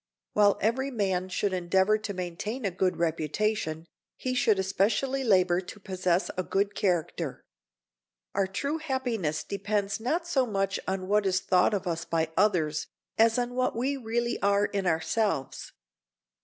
While every man should endeavor to maintain a good reputation, he should especially labor to possess a good character. Our true happiness depends not so much on what is thought of us by others as on what we really are in ourselves.